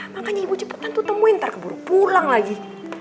makanya ibu cepetan tuh temuin ntar keburu pulang lagi